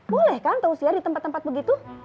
boleh kan tahu siar di tempat tempat begitu